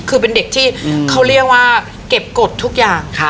คือเป็นเด็กที่เขาเรียกว่าเก็บกฎทุกอย่าง